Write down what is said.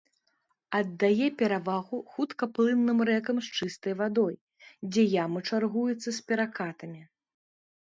Аддае перавагу хуткаплынным рэкам з чыстай вадой, дзе ямы чаргуюцца з перакатамі.